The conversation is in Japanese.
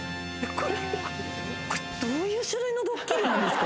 これ、どういう種類のドッキリなんですか？